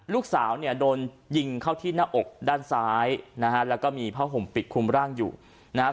ลูกสาวเนี่ยโดนยิงเข้าที่หน้าอกด้านซ้ายนะฮะแล้วก็มีผ้าห่มปิดคุมร่างอยู่นะฮะ